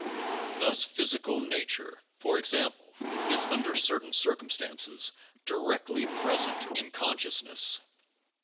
Thus physical nature, for example, is, under certain circumstances, directly present in consciousness.